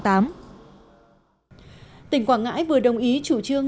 tỉnh quảng ngãi vừa đồng ý chủ trương